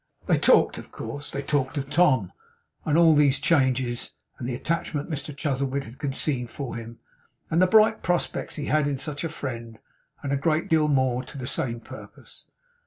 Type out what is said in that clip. They talked, of course. They talked of Tom, and all these changes and the attachment Mr Chuzzlewit had conceived for him, and the bright prospects he had in such a friend, and a great deal more to the same purpose.